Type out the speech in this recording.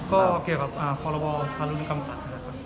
ก็เกี่ยวกับธรรมกรรมสัส